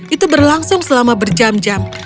itu berlangsung selama berjam jam